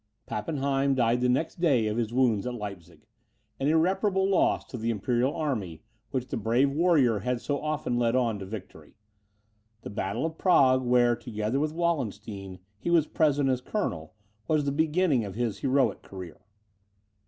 Pappenheim died the next day of his wounds at Leipzig; an irreparable loss to the imperial army, which this brave warrior had so often led on to victory. The battle of Prague, where, together with Wallenstein, he was present as colonel, was the beginning of his heroic career.